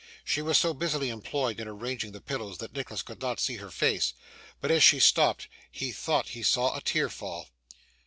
She was so busily employed in arranging the pillows that Nicholas could not see her face, but as she stooped he thought he saw a tear fall.